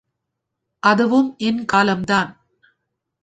அதுவும் என் காலம்தான்.